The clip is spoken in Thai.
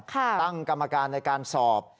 ตั้งกรรมการในการสอบ